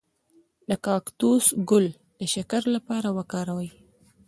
د کاکتوس ګل د شکر لپاره وکاروئ